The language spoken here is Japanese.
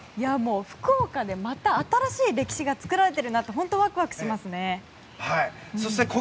福岡でまた新しい歴史が作られてるなとワクワクしますね。